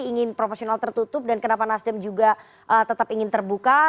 ingin proporsional tertutup dan kenapa nasdem juga tetap ingin terbuka